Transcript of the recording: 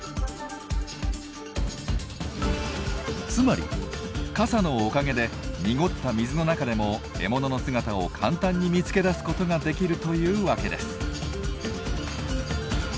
つまり傘のおかげで濁った水の中でも獲物の姿を簡単に見つけ出すことができるというわけです。